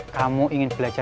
kamu ingin belajar